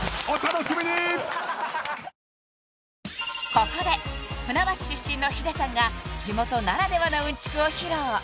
［ここで船橋出身のヒデさんが地元ならではのうんちくを披露］